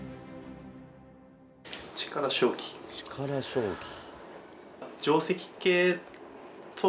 「力将棋」。